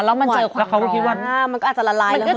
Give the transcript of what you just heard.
แล้วมันเจอความร้อนมันก็อาจจะละลาย